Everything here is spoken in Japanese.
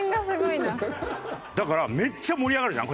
だからめっちゃ盛り上がるじゃん。